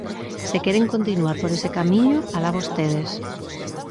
Se queren continuar por ese camiño, ¡alá vostedes!